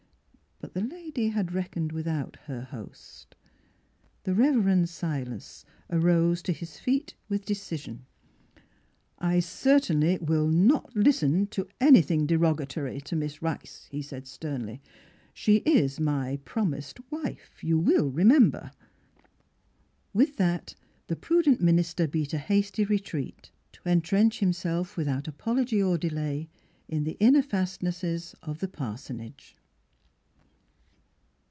'' But the lady had reckoned without her host. The Rev. Silas arose to his feet with de cision. I certainly will not listen to anything derogatory to Miss Rice," he said sternly. 77 The Transfiguration of " She is my promised wife, you will remember." With that the prudent minister beat a hasty retreat, to entrench himself without apology or delay in the inner fastnesses of the parsonage.